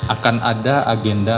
akan ada agenda